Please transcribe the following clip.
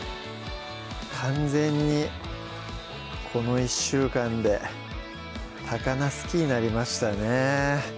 完全にこの１週間で高菜好きになりましたね